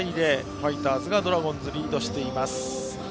ファイターズがドラゴンズをリードしています。